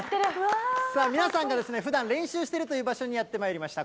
皆さんがふだん練習しているという場所にやってまいりました。